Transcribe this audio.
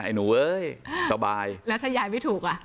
หนูเอ้ยสบายแล้วถ้ายายไม่ถูกอ่ะ